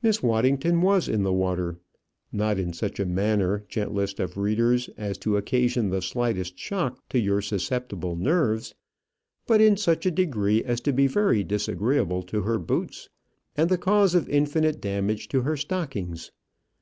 Miss Waddington was in the water. Not in such a manner, gentlest of readers, as to occasion the slightest shock to your susceptible nerves; but in such a degree as to be very disagreeable to her boots, and the cause of infinite damage to her stockings.